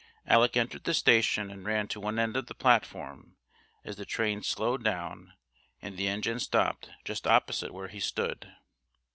Alec entered the station and ran to one end of the platform as the train slowed down and the engine stopped just opposite where he stood.